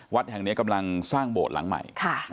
วัดแห่งนี้กำลังสร้างโบสถ์หลังใหม่